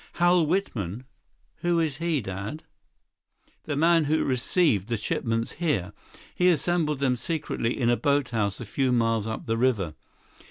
"Hal Whitman? Who is he, Dad?" "The man who received the shipments here. He assembled them secretly in a boathouse a few miles up the river.